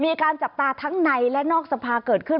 มีการจับตาทั้งในและนอกสภาเกิดขึ้น